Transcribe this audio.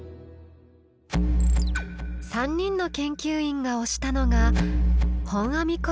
３人の研究員が推したのが本阿弥光悦作